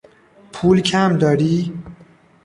پول کم داری؟